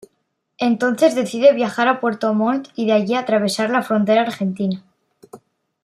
Entonces decide viaja a Puerto Montt y de allí atravesar la frontera argentina.